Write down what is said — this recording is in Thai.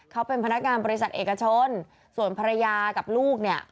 เขาเป็นพนักงานบริษัทเอกชนส่วนภรรยากับลูกเนี่ย